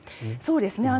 そうですね。